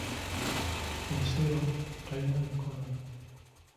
Osero talina mikono.